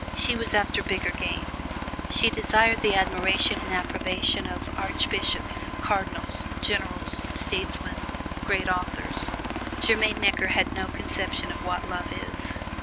She was after bigger game she desired the admiration and approbation of archbishops, cardinals, generals, statesmen, great authors. Germaine Necker had no conception of what love is.